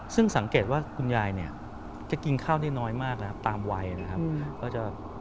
ซึ่งสังเกตว่าคุณยายจะกินข้าวให้น้อยมากนะตามวัยนะครับ